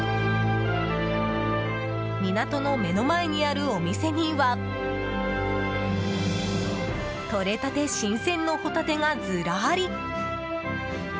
港の目の前にあるお店にはとれたて新鮮のホタテがずらり。